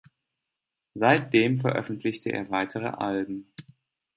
Seitdem veröffentlichte er weitere Alben.